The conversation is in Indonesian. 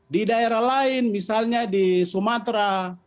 di daerah lain misalnya di sumatera